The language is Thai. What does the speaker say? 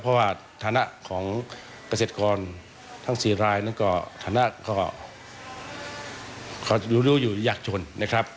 เพราะว่าฐานะของเกษตรกรทั้ง๔รายนั้นก็คณะก็รู้อยู่ยากจนนะครับ